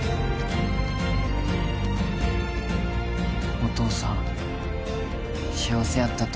お父さん幸せやったと思うよ